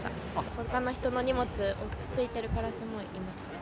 ほかの人の荷物、つついてるカラスもいました。